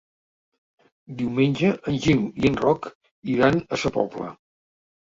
Diumenge en Gil i en Roc iran a Sa Pobla.